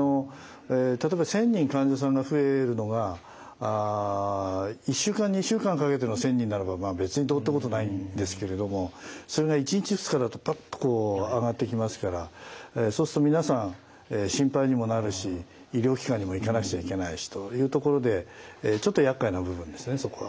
例えば１，０００人患者さんが増えるのが１週間２週間かけての１，０００人ならば別にどうってことないんですけれどもそれが１日２日だとパッとこう上がってきますからそうすると皆さん心配にもなるし医療機関にも行かなくちゃいけないしというところでちょっとやっかいな部分ですねそこは。